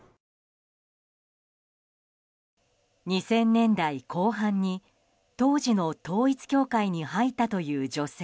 ２０００年代後半に、当時の統一教会に入ったという女性。